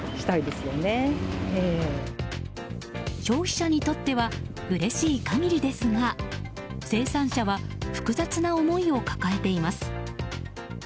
消費者にとってはうれしい限りですが生産者は複雑な思いを抱えています。